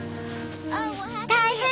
大変！